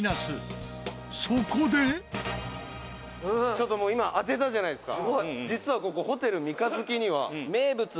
「ちょっともう今当てたじゃないですか」